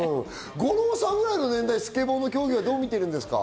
五郎さんぐらいの年代はスケボーの競技はどう見ていますか？